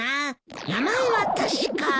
名前は確か。